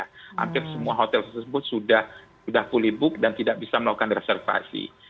hampir semua hotel tersebut sudah fully book dan tidak bisa melakukan reservasi